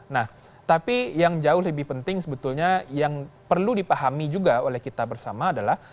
nah tapi yang jauh lebih penting sebetulnya yang perlu dipahami juga oleh kita bersama adalah